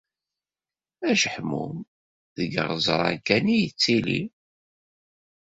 Ajeḥmum deg iɣeẓran kan i yettili.